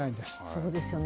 そうですよね。